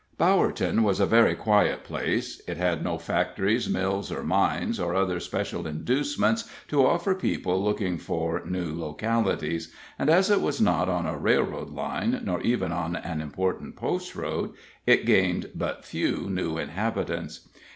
Bowerton was a very quiet place. It had no factories, mills, or mines, or other special inducements to offer people looking for new localities; and as it was not on a railroad line, nor even on an important post road, it gained but few new inhabitants.